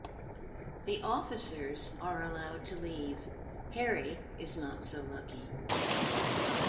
The officers are allowed to leave; Harry is not so lucky.